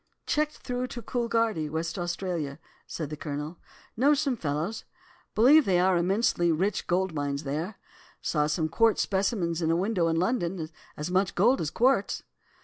"'Checked through to Coolgardie, West Australia,' said the Colonel. 'Know some fellows. Believe there are immensely rich gold mines there. Saw some quartz specimens in a window in London, as much gold as quartz.